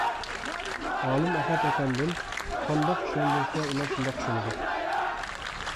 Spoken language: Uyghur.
ئالىم ئەخەت ئەپەندىم قانداق چۈشەندۈرسە ئۇلار شۇنداق چۈشىنىدۇ.